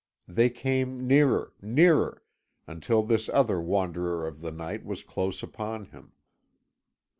They came nearer, nearer, until this other wanderer of the night was close upon him.